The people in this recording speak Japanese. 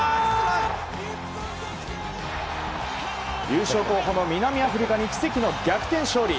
優勝候補の南アフリカに奇跡の逆転勝利。